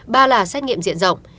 ba là xét nghiệm diện rộng